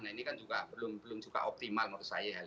nah ini kan juga belum juga optimal menurut saya ya